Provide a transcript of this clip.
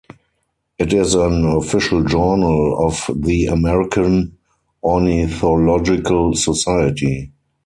It is an official journal of the American Ornithological Society.